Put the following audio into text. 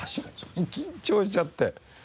緊張しちゃって。